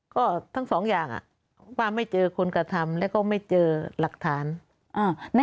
ก็ทั้งสองอย่างป้าไม่เจอคนกระทำแล้วก็ไม่เจอหลักฐาน